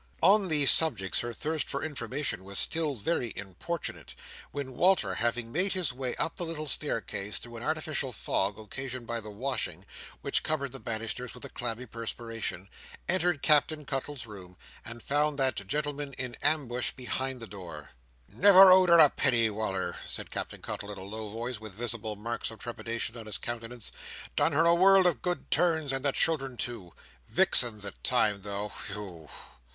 On these subjects her thirst for information was still very importunate, when Walter, having made his way up the little staircase through an artificial fog occasioned by the washing, which covered the banisters with a clammy perspiration, entered Captain Cuttle's room, and found that gentleman in ambush behind the door. "Never owed her a penny, Wal"r," said Captain Cuttle, in a low voice, and with visible marks of trepidation on his countenance. "Done her a world of good turns, and the children too. Vixen at times, though. Whew!"